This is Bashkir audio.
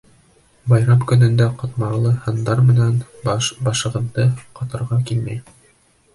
— Байрам көнөндә ҡатмарлы һандар менән башығыҙҙы ҡатырғы килмәй.